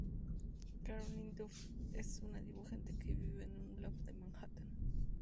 Caroline Duffy es una dibujante que vive en un loft en Manhattan.